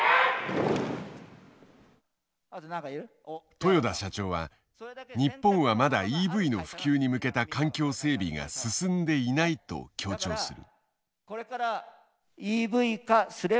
豊田社長は日本はまだＥＶの普及に向けた環境整備が進んでいないと強調する。